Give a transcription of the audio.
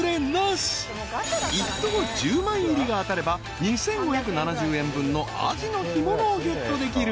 ［１等１０枚入りが当たれば２，５７０円分のアジの干物をゲットできる］